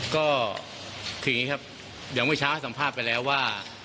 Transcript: เดี๋ยูังไม่ช้าสัมภาพไปแล้วว่า